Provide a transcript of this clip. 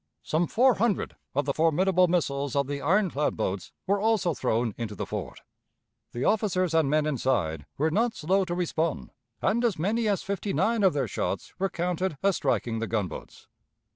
Some four hundred of the formidable missiles of the ironclad boats were also thrown into the fort. The officers and men inside were not slow to respond, and as many as fifty nine of their shots were counted as striking the gunboats.